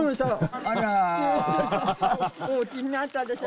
あら大きいなったでしょ？